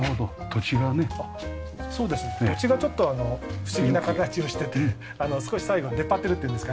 土地がちょっと不思議な形をしてて少し最後出っ張ってるっていうんですかね。